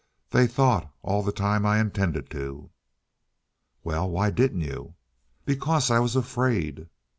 They thought all the time I intended to." "Well, why didn't you?" "Because I was afraid."